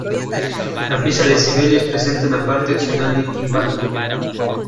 La pieza de Sibelius presenta una parte opcional de timbal.